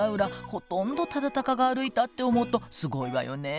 ほとんど忠敬が歩いたって思うとすごいわよね。